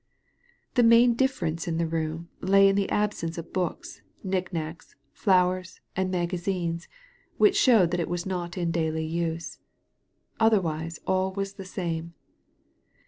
The main difference in the room lay in the absence of books, knickknacks, flowers and magazines, which showed that it was not in daily use ; otherwise all was the same.